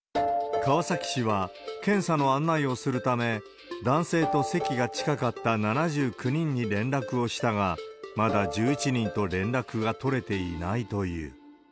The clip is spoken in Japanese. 川崎市は、検査の案内をするため、男性と席が近かった７９人に連絡をしたが、まだ１１人と連絡が取れていないという。